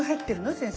先生。